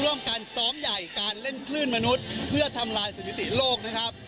ร่วมกันซ้อมใหญ่การเล่นคลื่นมนุษย์เพื่อทำลายสถิติโลกนะครับ